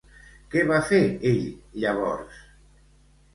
Què va fer ell, llavors?